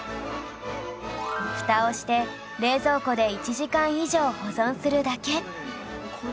フタをして冷蔵庫で１時間以上保存するだけ